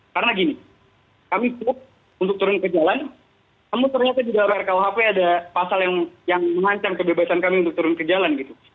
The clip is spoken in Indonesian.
karena gini kami untuk turun ke jalan namun ternyata di dalam rkuhp ada pasal yang mengancam kebebasan kami untuk turun ke jalan gitu